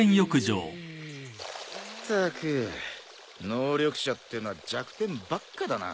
能力者ってのは弱点ばっかだな。